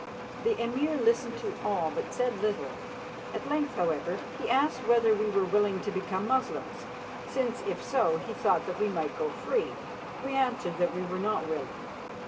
The Emir listened to all but said little. At length, however, he asked whether we were willing to become Moslems, since if so he thought that we might go free. We answered that we were not willing.